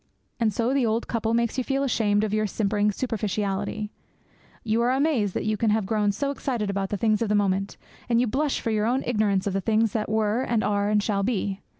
And so the old couple make you feel ashamed of your simpering superficiality; you are amazed that you can have grown so excited about the things of a moment; and you blush for your own ignorance of the things that were and are and shall be.